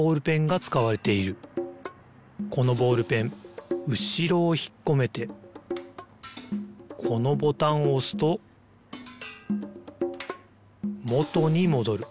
このボールペンうしろをひっこめてこのボタンをおすともとにもどる。